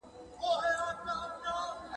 اعزاز ورکول د چا د هڅو ستاینه ده.